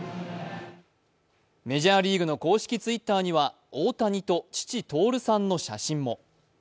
メジャーリーグの公式Ｔｗｉｔｔｅｒには大谷と父・徹さんの写真も。